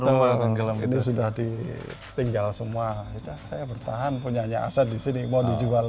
betul ini sudah ditinggal semua saya bertahan punya aset di sini mau dijual